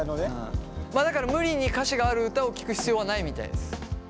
まあだから無理に歌詞がある歌を聴く必要はないみたいです。